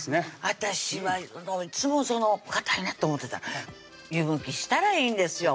私はいつもそのかたいなと思ってた湯むきしたらいいんですよ